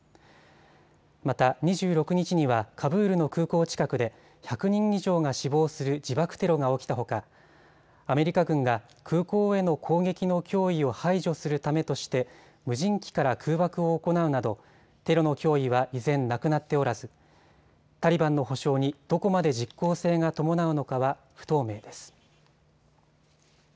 また２６日にはカブールの空港近くで１００人以上が死亡する自爆テロが起きたほかアメリカ軍が空港への攻撃の脅威を排除するためとして無人機から空爆を行うなどテロの脅威は依然なくなっておらずタリバンの保証にどこまで実効性が伴うのかは不透明です。